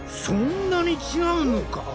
そんなに違うのか？